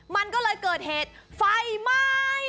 มันก็เลยเกิดเหตุไฟไหม้